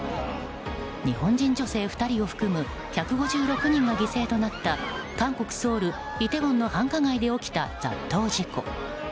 日本人女性２人を含む１５６人が犠牲となった韓国ソウル、イテウォンの繁華街で起きた雑踏事故。